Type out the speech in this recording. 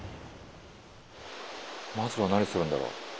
まずは何するんだろう？